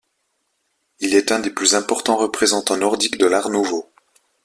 Il est un des plus importants représentants nordiques de l'Art nouveau.